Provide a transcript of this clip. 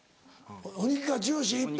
お肉がジューシー一遍。